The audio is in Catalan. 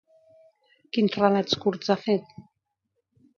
Quins relats curts ha fet?